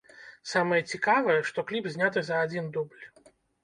Самае цікавае, што кліп зняты за адзін дубль.